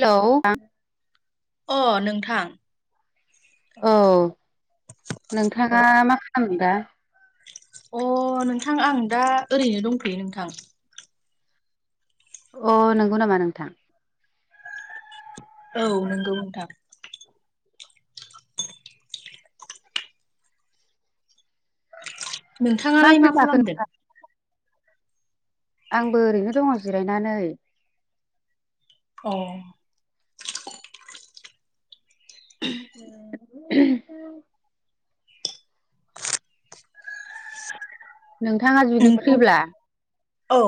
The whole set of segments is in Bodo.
हेलौ। अ नोंथां। औ अ नोंथाङा मा खालामदों दा? अ नोंथां आं दा ओरैनो दंथयो नोंथां। अ नंगौ नामा नोंथां? औ नोंगौ नोथां। नोंथाङालाय ओंख्रि मा जाखो खालामदों? नोंथां? आंबो ओरैनो दङ जिरायनानै। औ। [unintelligible] नोंथाङा जुदि फ्रिब्ला औ।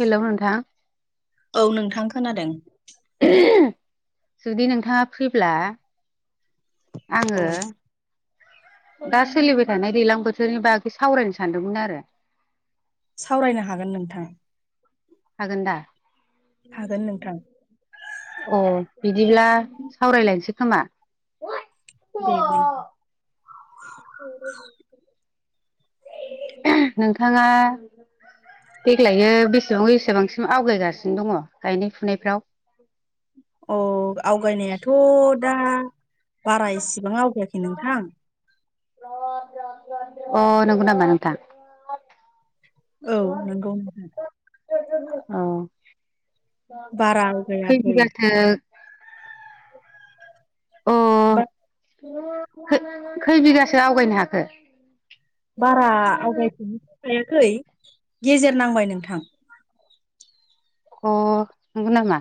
हेलौ नोंथां। औ नोंथां खोनादों। जुदि नोंथाङा फ्रिब्ला आङो औ दा सोलिबाय थानाय दैज्लां बोथोरनि बागै सावरायनो सानदोंमोन आरो। सावरायनो हागोन नोंथां। हागोन दा हागोन नोंथां अ। बिदिब्ला सावरायलायनोसै खोमा। दे दे। [inaudible] नोंथाङा देग्लायो बेसेबां बेसेबांसिम आवगायगासिनो दङ गायनाय फुनायफ्राव? अ आव आवगायनायाथ' दा बारा इसिबां आवगायाखै नोंथां। अ नंगौ नामा नोंथां? औ नंगौ नोंथां अ बारा खै आवगायाखै बिगाथो बा खै बिगासो आवगायनो हाखो? बारा आवगायफिननोथ' हायाखै गेजेर नांबाय नोंथां। अ नंगौनामा?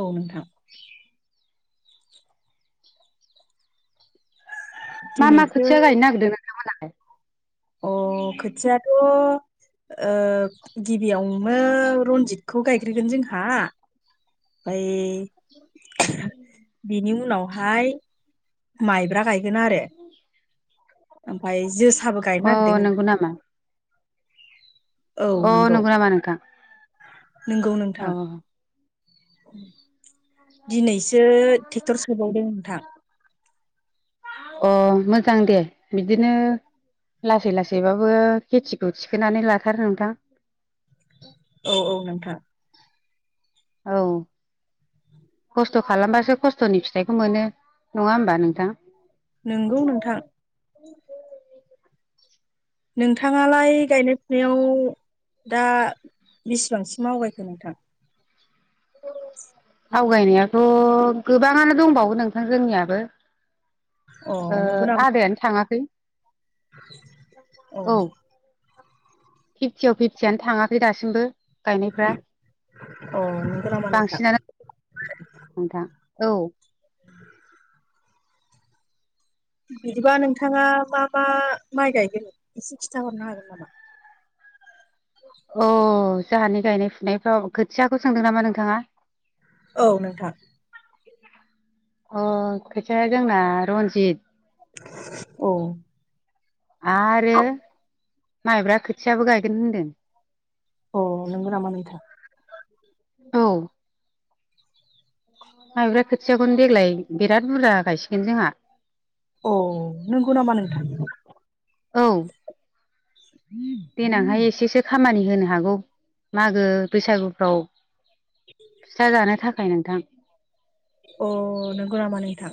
औ नोंथां। मा मा दिनैसो खोथिया गायनो नागिरदों नोंथांमोनहालाय? अ खोथियाथ' ओ गिबियावनो रनजितखौ गायग्रोगोन जोंहा। ओमफ्राय बिनि उनावहाय माइब्रा गाय गोन आरो। ओमफ्राय जोसाबो गायनो अ नागिरदों नंगौ नोंथां। नामा औ अ नंगौ नामा नोंथां नंगौ अ नोंथां। दिनैसो ट्रेक्टर सोबावदों नोंथां। अ मोजां दे बिदिनो लासै लासैबाबो खेतिखौ थिखोनानै लाथार नोंथां। औ औ नोंथां। औ खस्थ' खालामबासो खस्थ'नि फिथाइखौ मोनो नङा होमबा नोंथां? नोंगौ नोंथां। नोंथाङालाय गायनाय फुनायाव दा बेसिबांसिम आवगायखो नोंथां? आवगायनायाथ' गोबाङानो दंबावो नोंथां जोंनियाबो। अ ओ नंगौ नामा आदायानो थाङाखै। अ औ फिफ्टियाव फिफ्टियानो थाङाखै दासिमबो। गायनायफ्रा अ नंगौ नामा नोंथां बांसिनानो [unintelligible] नोंथां औ बिदिबा नोंथाङा मा मा माइ गायगोन एसे खिन्था हरनो हागोन नामा? अ जोंहानि गायनाय फुनायफ्राव खोथियाखौ सोंदों नामा नोंथाङा? औ नोंथां। अ खोथियाया जोंना रन्जिथ, औ आरो माइब्रा खोथियाबो गायगोन होनदों। अ नोंगौ नामा नोंथां? औ माइब्रा खोथियाखौनो देग्लाय बिराद बुरजा गायसिगोन जोंहा। औ नंगौ नामा नोंथां? औ देनांहाय एसेसो खामानि होनो हागौ मागो बैसागुफ्राव। फिथा जानो थाखाय नोंथां। अ नोंगौ नामा नोंथां?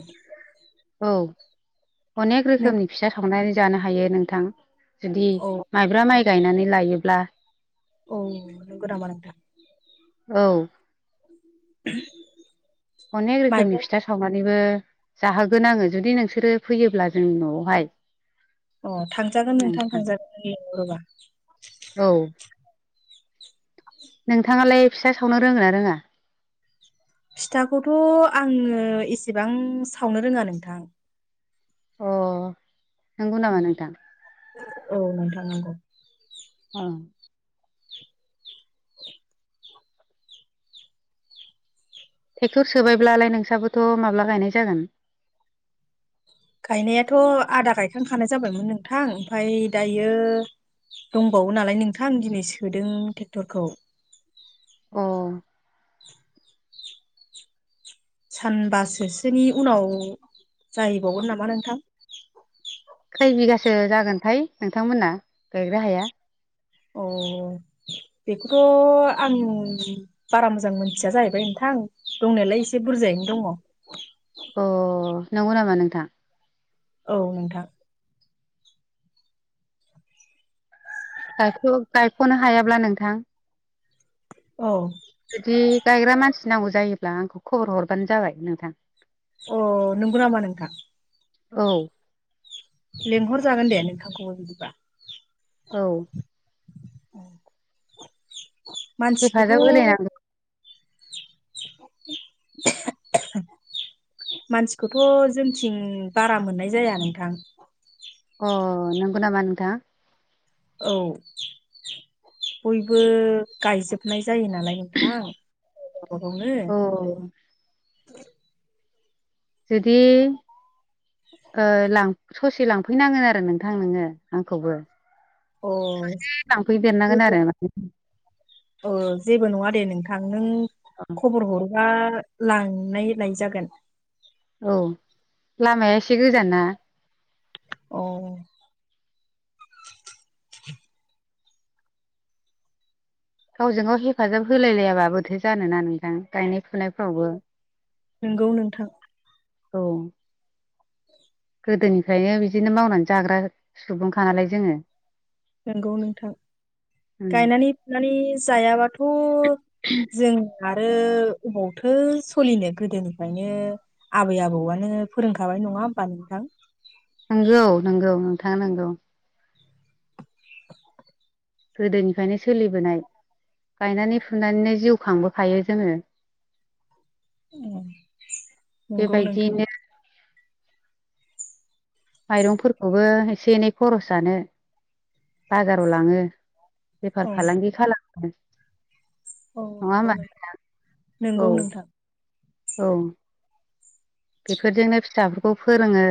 औ अनेख नों रोखोमनि फिथा सावनानै जानो हायो नोंथां। जुदि औ माइब्रा माइ गायनानै लायोब्ला। औ नोंगौ नामा नोंथां? औ [inaudible] अनेक माइबा रोखोमनि फिथा सावनानैबो जाहोगोन आङो जुदि नोंसोरो फैयोब्ला जोंनि न'आवहाय अ थांजागोन नोंथां थांजागोन नों लिंहरोबा औ नोंथाङालाय फिथा सावनो रोङोना रोङा? फिथाखौथ' आङो एसेबां सावनो रोङा नोंथां अ' नंगौ नामा नोंथां? औ नोंथां नोंगौ। अ ट्रेक्टर सोबायब्लालाय नोंसाबोथ' माब्ला गायनाय जागोन? गायनायाथ' आदा गायखांखानाय जाबायमोन नोंथां ओमफाय दायो दंबावो नालाय नोंथांं दिनै सोदों ट्रेक्टरखौ अ सानबासोसोनि उनाव जाहैबावगोन नामा नोंथां? खै बिगासो जागोनथाय नोंथांमोनना गायग्रा हाया? अ बेखौथ' आं बारा मोजां मोनथिया जाहैबाय नोंथां थां दंनायालाय एसे बुरजायैनो दङ अ नंगौ नामा नोंथां? औ नोंथां। ओ गायख' गायख'नो हायाब्ला नोंथां? औ। जुदि गायग्रा मानसि नांगौ जायोब्ला आंखौ खबर हरबानो जाबाय नोंथां। अ नंगौ नामा नोंथां? औ। लेंहर जागोन दे नोंथांखौबो बिदिबा औ। हेफाजाब मानसिखौथ' होलायनांगौ [unintelligible] मानसिखौथ' जोंथिं बारा मोननाय जाया नोंथां। अ नोंगौ नामा नोंथां? औ बयबो गायजोबनाय जायो नालाय नोंथां गावबा गावनो औ। जुदि ओ ससे लांफैनांगोन आरो नोंथां नोङो आंखौबो। ससे लांफैदेरनांगोन आरो अ जेबो नङा दे नोंथां। नोंथां नों खबर हरबा लांनाय लाय जागोन। औ लामाया एसे गोजान ना? अ गावजों गाव हेफाजाब होलायलायाबा बोरैथो जानोना नोंथां गायनाय फुनायफ्रावबो? नोंगौ नोंथां। औ। गोदोनिफ्रायनो बिदिनो मावनानै जाग्रा सुबुंखा नालाय जोङो। नंगौ नोंथां। उम गायनानै फुनानै जायाबाथ' जों आरो अबावथो सोलिनो गोदोनिफ्रायनो आबै आबौआनो फोरोंखाबाय नङा होमबा नोंथां? नंगौ नंगौ नोंथाङा नंगौ। [unintelligible] गोदोनिफ्रायनो सोलिबोनाय गायनानै फुनानैनो जिउ खांबोखायो जोङो। उम नंगौ नोंथां। बेबायदियैनो माइरंफोरखौबो एसे एनै खरस जानो बाजाराव लाङो औ बेफार फालांगि खालामनो औ नंगौ नोंथां औ नंगौ नोंथां औ बेफोरजोंनो फिसाफोरखौ फोरोङो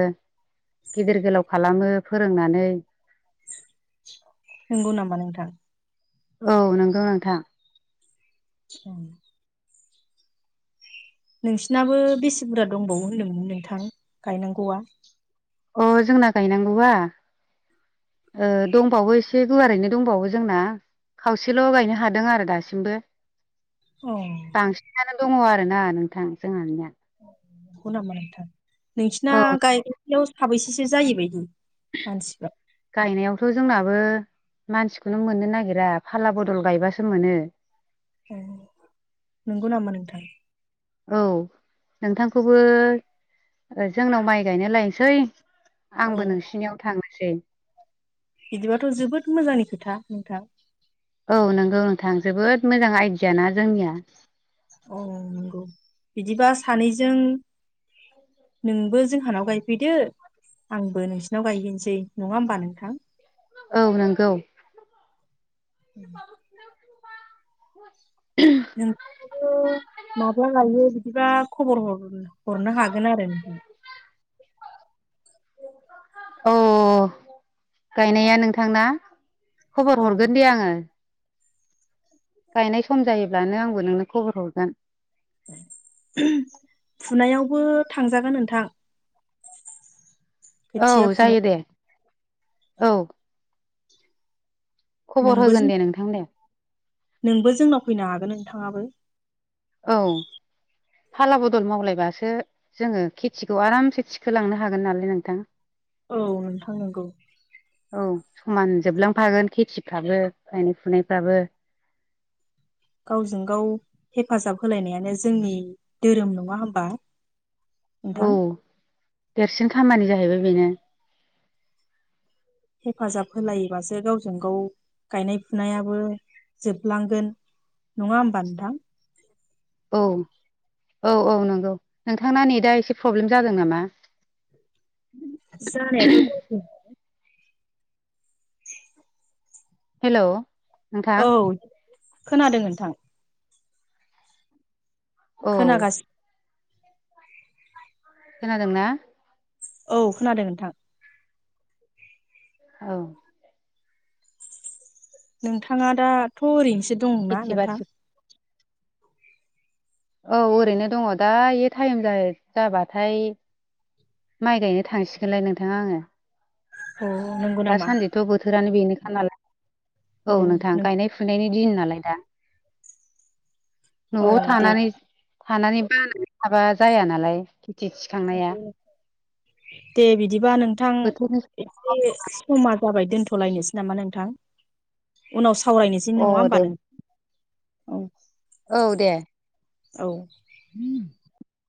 गिदिर गोलाव खालामो फोरोंनानै नोंगौ नामा नोंथां औ नंगौ नोंथां औ नोंसिनाबो बेसे बुरजा दंबावो होनदोंमोन नोंथां गायनांगौआ अ जोंना गायनांगौआ ओ दंबावो एसे गुवारैनो दंबावो जोंना खावसेल' गायनो हादों आरो दासिमबो अ बांसिनानो दङ आरोना नोंथां जोंहानिया नंगौ नामा नोंथां नोंसिना औ गायनायफोराव साबैसेसो जायोबायदि? मानसिफ्रा गायनायावथ' जोंनाबो मानसिखौनो मोननो नागिरा फाला बदल गायबासो मोनो ए नंगौ नामा नोंथां औ नोंथांखौबो जोंनाव माइ गायनो लायनोसै औ आंबो नोंसिनियाव थांनोसै बिदिबाथ' जोबोद मोजांनि खोथा नोंथां औ नोंगौ नोंथां जोबोद मोजां आइडियाना जोंनिया अ नंगौ बिदिबा सानैजों नोंबो जोंहानाव गायफैदो आंबो नोंसिनाव गायहैनोसै नङा होमबा नोंथां औ नंगौ उम नों ओ माब्ला गायो बिदिबा खबर हर हरनो हागोन आरो नोंथां [inaudible] औ गायनाया नोंथां ना? खबर औ हरगोन दे आङो गायनाय सम जायोब्लानो आंबो नोंनो खबर हरगोन फुनायावबो थांजागोन नोंथां [inaudible] औ खोथिया फुनो जायो दे औ खबर नोंबो होगोन जों दे नोंथां दे नोंबो जोंनाव फैनो हागोन नोंथाङाबो औ फाला बदल मावलायबासो जोङो खेथिखौ आरामसे थिखोलांनो हागोन नालाय नोंथां औ नोंथां नंगौ औ समान जोबलांफागोन खेथिफ्राबो गायनाय फुनायफ्राबो गावजों गाव हेफाजाब होलायनायानो जोंनि धोरोम नङा होमबा औ नोंथां देरसिन खामानि जाहैबाय बेनो हेफाजाब होलायोबासो गावजों गाव गायनाय फुनायाबो जोबलांगोन नङा होमबा नोंथां औ औ औ नंगौ नोंथांना नेदा एसे प्रब्लेम जादों नामा? जानायाथ' [inaudible] [inaudible] हेलौ नोंथां औ खोनादों नोंथां औ खोनागासि खोनादोंना? औ खोनादों नोंथां औ नोंथाङा दाथ' ओरैनोसो दंना खेथि नोंथां? बाथि औ ओरैनो दङ दा बे टाइम जाबाथाय माइ गायनो थांसिगोनलाय नोंथाङा आङो। औ नंगौ नामा दासान्दिथ' बोथोरानो बेनो खा नालाय औ नोंथां गायनाय फुनायनि दिन नालाय दा [inaudible] औ न'आव दे थानानै थानानै बानाय थाबा जाया नालाय खेथि थिखांनाया नंगौ नोंथां दे बिदिबा नोंथां बोथोरनि इसे समा जाबाय दोनथ'लायनोसै नामा नोंथां उनाव सा सावरायनोसै नङा अ होमबा दे नों औ दे [unintelligible] [inaudible]